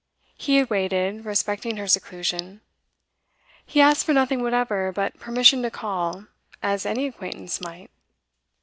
He had waited, respecting her seclusion. He asked for nothing whatever but permission to call, as any acquaintance might.